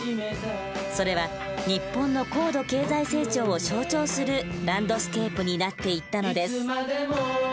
それは日本の高度経済成長を象徴するランドスケープになっていったのです。